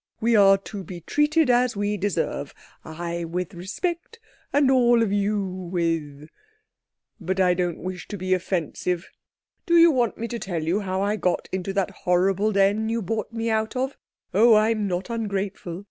We're to be treated as we deserve. I with respect, and all of you with—but I don't wish to be offensive. Do you want me to tell you how I got into that horrible den you bought me out of? Oh, I'm not ungrateful!